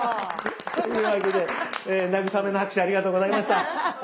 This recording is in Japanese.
というわけで慰めの拍手ありがとうございました。